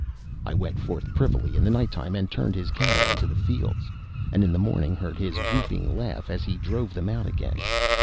I went forth privily in the night time, and turned his cattle into his fields, and in the morning heard his whooping laugh as he drove them out again.